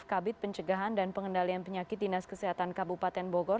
kabit pencegahan dan pengendalian penyakit dinas kesehatan kabupaten bogor